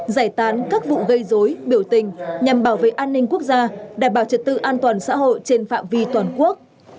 giải tán các vụ gây dối biểu tình nhằm bảo vệ an ninh quốc gia đảm bảo trật tự an toàn xã hội trên phạm vi toàn quốc